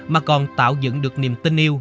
mà còn tạo dựng được niềm tin yêu